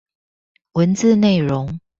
文字內容